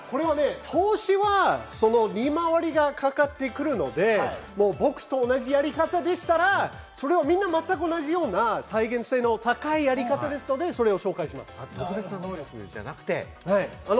投資は、その利回りがかかってくるので、僕と同じやり方でしたらそれはみんな全く同じような再現性の高いやり方ですので、紹介していきます。